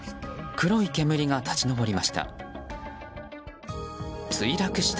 黒い煙が立ち上りました。